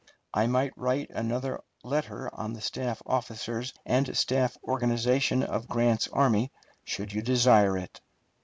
I might write another letter on the staff officers and staff organization of Grant's army, should you desire it.